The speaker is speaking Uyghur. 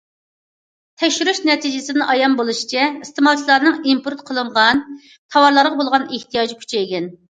تەكشۈرۈش نەتىجىسىدىن ئايان بولۇشىچە، ئىستېمالچىلارنىڭ ئىمپورت قىلىنغان تاۋارلارغا بولغان ئېھتىياجى كۈچەيگەن.